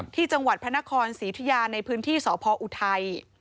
ที่จังหวัดพระนครศรีธุยาในพื้นที่สพอุทัย